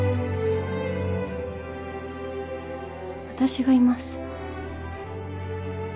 私がいます。